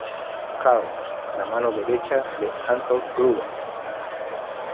Karl: La mano derecha de Anton Gruber.